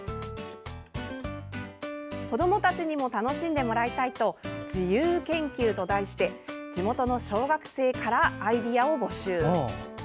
子どもたちにも楽しんでもらいたいと「自ゆ研究」と題して地元の小学生からアイデアを募集。